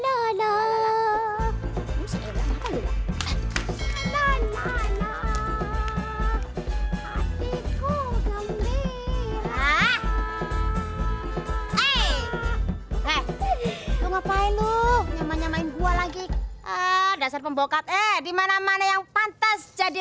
eh eh eh lu ngapain lu nyamain gua lagi ah dasar pembokat eh dimana mana yang pantas jadi